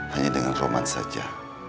hanya dengan roman saja